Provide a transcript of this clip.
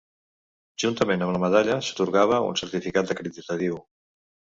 Juntament amb la medalla s'atorgava un certificat acreditatiu.